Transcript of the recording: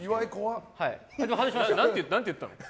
何て言ったの？